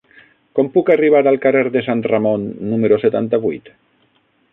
Com puc arribar al carrer de Sant Ramon número setanta-vuit?